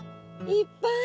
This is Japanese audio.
いっぱい！